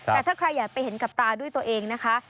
แต่ถ้าใครอยากไปเห็นกับตาด้วยตัวเองนะคะ